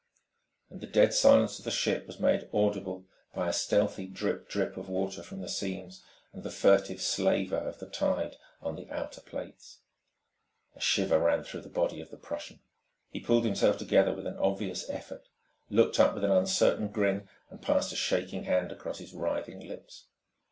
And the dead silence of the ship was made audible by a stealthy drip drip of water from the seams, and the furtive slaver of the tide on the outer plates. A shiver ran through the body of the Prussian. He pulled himself together with obvious effort, looked up with an uncertain grin, and passed a shaking hand across his writhing lips.